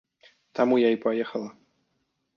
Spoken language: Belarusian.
Таму я і паехала.